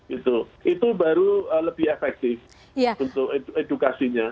itu baru lebih efektif untuk edukasinya